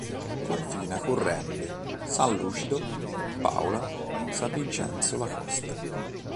Confina con Rende, San Lucido, Paola, San Vincenzo La Costa.